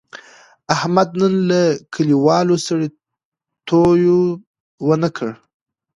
احمد نن له کلیوالو سړیتیوب و نه کړ.